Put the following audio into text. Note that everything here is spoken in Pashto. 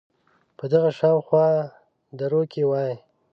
په دغه شااو خوا دروکې وایه